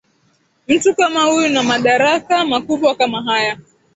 mtu kama huyu na madaraka makubwa kama haya